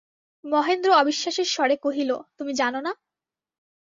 মহেন্দ্র অবিশ্বাসের স্বরে কহিল, তুমি জান না?